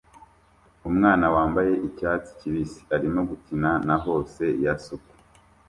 Umwana wambaye icyatsi kibisi arimo gukina na hose ya suku